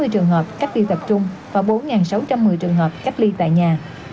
sáu bảy trăm chín mươi trường hợp cách ly tập trung và bốn sáu trăm một mươi trường hợp cách ly tại nhà